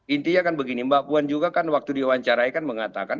intinya kan begini mbak puan juga kan waktu diwawancarai kan mengatakan